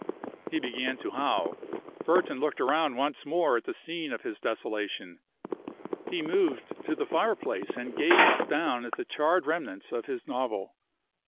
He began to howl. Burton looked around once more at the scene of his desolation. He moved to the fireplace and gazed down at the charred remnants of his novel.